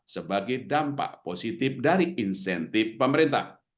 sebagai dampak positif dari insentif pemerintah